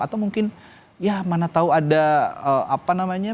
atau mungkin ya mana tahu ada apa namanya